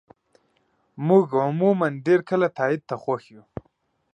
موږ عموماً ډېر کله تایید ته خوښ یو.